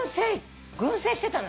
群生してたの。